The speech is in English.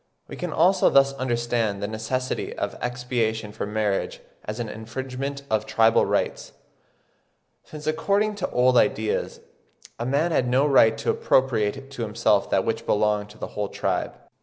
we can also thus understand "the necessity of expiation for marriage as an infringement of tribal rites, since according to old ideas, a man had no right to appropriate to himself that which belonged to the whole tribe."